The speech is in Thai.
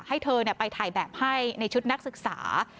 ให้เธอไปถ่ายแบบให้ในชุดนักศึกษา